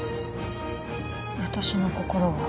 私の心が？